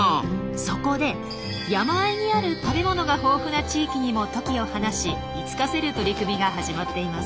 そこで山あいにある食べものが豊富な地域にもトキを放し居つかせる取り組みが始まっています。